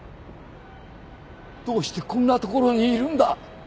どうしてこんなところにいるんだ！？